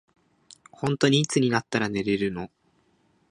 ほんとにいつになったら寝れるの。